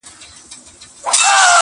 هم راغلي كليوال وه هم ښاريان وه-